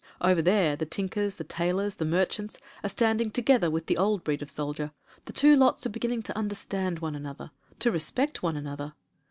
Over there the tinkers, the tailors, the merchants, are standing together with the old breed of soldier — ^the two lots are beginning to understand one another — ^to respect one another.